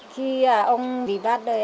khi ông vì bắt rồi